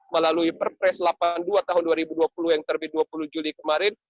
melalui perpres delapan puluh dua tahun dua ribu dua puluh yang terbit dua puluh juli kemarin